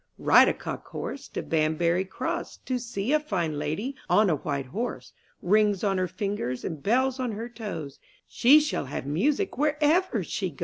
8 IN THE NURSERY ^ "D IDE a Cock Horse to Banbury Cross, ■^ To see a fine lady on a white horse; Rings on her fingers, and bells on her toes, She shall have music wherever she goes.